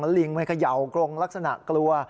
แล้วลิงมันกระเยาว์กรงลักษณะกลัว